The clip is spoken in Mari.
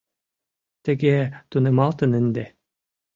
Тыге тунемалтын ынде.